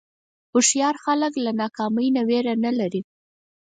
هوښیار خلک د ناکامۍ نه وېره نه لري.